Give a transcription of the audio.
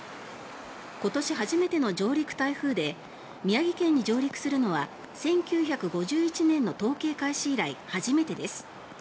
今年初めての上陸台風で宮城県に上陸するのは１９５１年の統計開始以来初めてです。